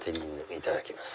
いただきます。